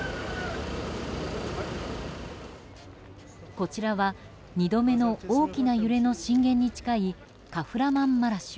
こちらは、２度目の大きな揺れの震源に近いカフラマンマラシュ。